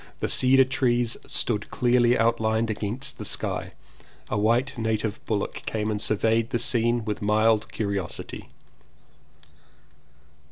The cedar trees stood clearly outlined against the black sky. A white native bullock came and surveyed the scene with mild curiosity.